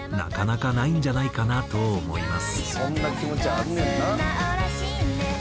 「そんな気持ちあんねんな」